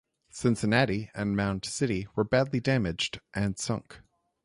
"Cincinnati" and "Mound City" were badly damaged and sunk.